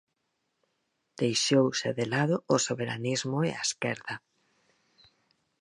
Deixouse de lado o soberanismo e a esquerda.